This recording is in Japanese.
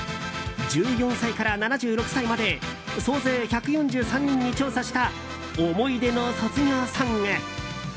１４歳から７６歳まで総勢１４３人に調査した思い出の卒業ソング。